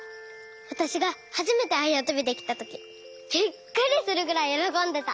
わたしがはじめてあやとびできたときびっくりするぐらいよろこんでた。